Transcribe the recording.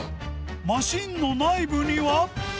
マシンの内部には。